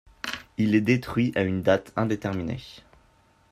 Il est détruit à une date indéterminée.